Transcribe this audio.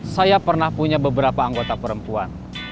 saya pernah punya beberapa anggota perempuan